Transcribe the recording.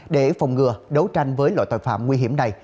để phòng ngừa đấu tranh với loại tội phạm nguy hiểm này